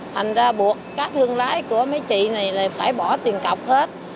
thành ra buộc các thương lái của mấy chị này lại phải bỏ tiền cọc hết